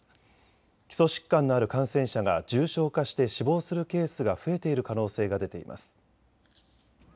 基礎疾患のある感染者が重症化して死亡するケースが増えている可能性が出ています。